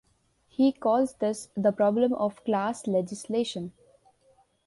He calls this the problem of class legislation.